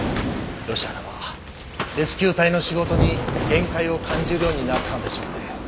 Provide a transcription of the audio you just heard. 吉原はレスキュー隊の仕事に限界を感じるようになったんでしょうね。